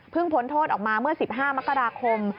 พ้นโทษออกมาเมื่อ๑๕มกราคม